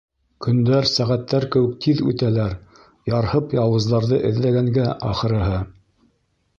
Көндәр сәғәттәр кеүек тиҙ үтәләр, ярһып яуыздарҙы эҙләгәнгә, ахырыһы.